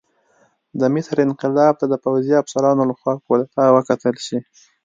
د مصر انقلاب ته د پوځي افسرانو لخوا کودتا وکتل شي.